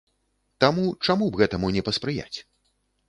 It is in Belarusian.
Таму чаму б гэтаму не паспрыяць?